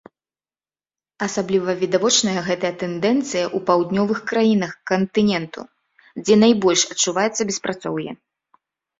Асабліва відавочная гэтая тэндэнцыя ў паўднёвых краінах кантыненту, дзе найбольш адчуваецца беспрацоўе.